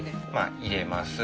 入れます。